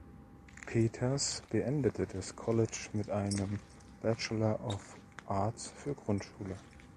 Peters beendete das College mit einem Bachelor of Arts für Grundschule.